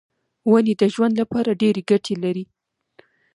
ونې د ژوند لپاره ډېرې ګټې لري.